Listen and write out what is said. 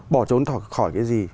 bỏ trốn khỏi cái gì